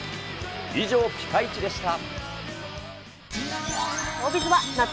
以上、ピカイチでした。